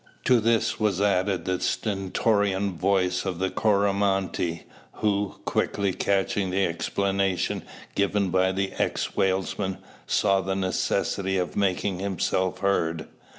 To this was added the stentorian voice of the Coromantee, who, quickly catching the explanation given by the ex whalesman, saw the necessity of making himself heard.